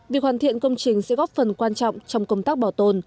việc hoàn thiện công trình sẽ góp phần quan trọng trong công tác bảo tồn